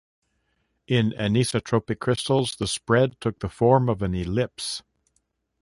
In anisotropic crystals the spread took the form of an ellipse.